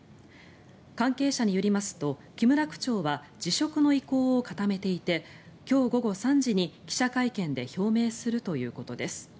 関係者によりますと、木村区長は辞職の意向を固めていて今日午後３時に記者会見で表明するということです。